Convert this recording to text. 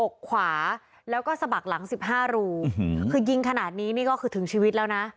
อกขวาแล้วก็สะบักหลังสิบห้ารูคือยิงขนาดนี้นี่ก็คือถึงชีวิตแล้วนะ